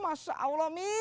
masya allah mi